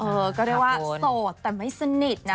เออก็ได้ว่าสดแต่ไม่สนิทนะ